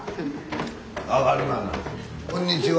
こんにちは。